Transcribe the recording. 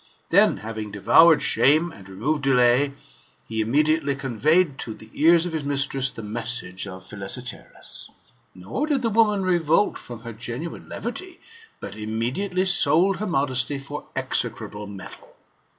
Then having devoured shame^, and removed delay, he immediately conveyed to the ears of his mistress the message of Philesietserus. Nor did the woman revolt from her genuine levity, but immediately sold her modesty for execrable metal.